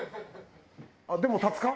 でも立つか？